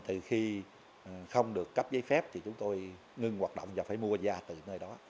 từ khi không được cấp giấy phép thì chúng tôi ngưng hoạt động và phải mua da từ nơi đó